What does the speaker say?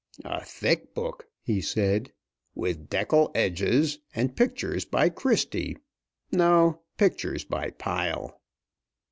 "A thick book," he said, "with deckel edges and pictures by Christy. No, pictures by Pyle.